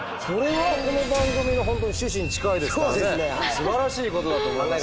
すばらしいことだと思いますよ。